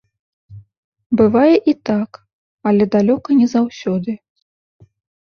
Бывае і так, але далёка не заўсёды.